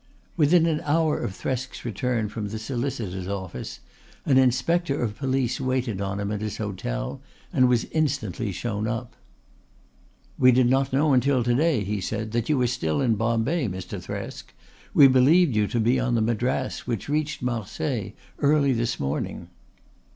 Within an hour of Thresk's return from the solicitor's office an Inspector of Police waited on him at his hotel and was instantly shown up. "We did not know until to day," he said, "that you were still in Bombay, Mr. Thresk. We believed you to be on the Madras, which reached Marseilles early this morning."